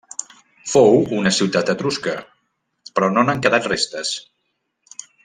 Fou una ciutat etrusca però no n'han quedat restes.